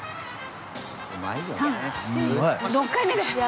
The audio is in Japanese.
３４６回目で。